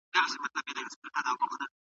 هغه د خپلې کورنۍ د ګټې لپاره سخت کار کوي.